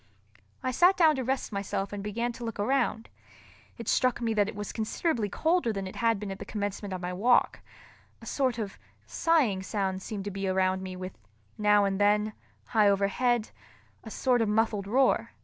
I sat down to rest myself and began to look around. It struck me that it was considerably colder than it had been at the commencement of my walk—a sort of sighing sound seemed to be around me with, now and then, high overhead, a sort of muffled roar.